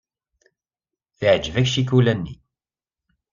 Teɛjeb-ak ccikula-nni.